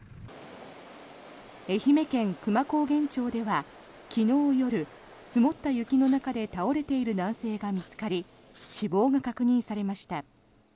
愛媛県久万高原町では昨日夜積もった雪の中で倒れている男性が見つかり死亡が確認されました。